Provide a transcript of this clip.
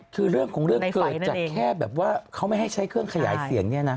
คือเรื่องของเรื่องเกิดจากแค่แบบว่าเขาไม่ให้ใช้เครื่องขยายเสียงเนี่ยนะ